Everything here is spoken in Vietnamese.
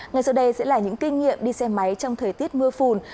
ngay sau đây sẽ là những kinh nghiệm đi xe máy trong thời tiết mưa phùn